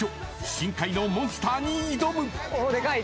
深海のモンスターに挑む！